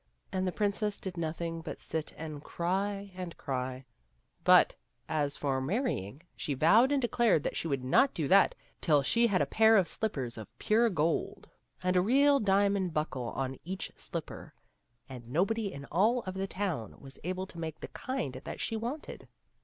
And the princess did nothing but sit and cry and cry ; but, as for marry ing, she vowed and declared that she would not do that till she had a pair of slippers of pure gold, and a real diamond buckle on each slipper ; and nobody in all of the town was able to make the kind that she wanted.